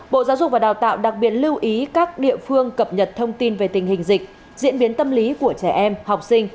bộ giáo dục và đào tạo đặc biệt lưu ý các địa phương cập nhật thông tin về tình hình dịch diễn biến tâm lý của trẻ em học sinh